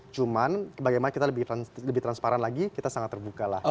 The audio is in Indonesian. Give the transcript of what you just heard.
cuman bagaimana kita lebih transparan lagi kita sangat terbuka lah